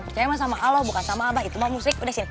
percaya sama allah bukan sama abah itu mau musik udah sini